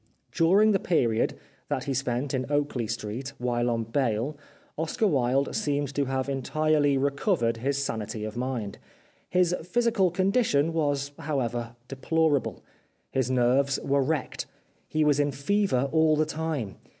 During the period that he spent in Oakley Street, while on bail, Oscar Wilde seemed to have entirely recovered his sanity of mind. His physical condition was however deplorable. His nerves were wrecked. He was in fever all the time.